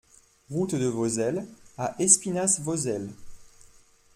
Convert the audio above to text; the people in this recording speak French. Route de Vozelle à Espinasse-Vozelle